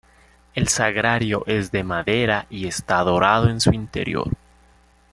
El sagrario es de madera y está dorado en su interior.